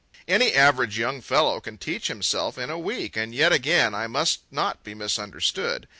Any average young fellow can teach himself in a week. And yet again I must not be misunderstood.